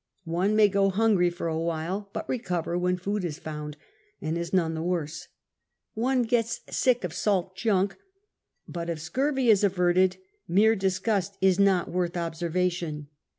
One may go hungry for a while, but recover when food is h)iind and is none the worse ; one gets sick of salt junk, but if scurvy is averted, mere disgust is not worth observation.